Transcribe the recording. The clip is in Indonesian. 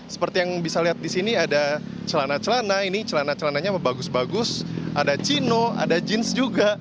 seperti yang bisa lihat di sini ada celana celana ini celana celananya bagus bagus ada chino ada jeans juga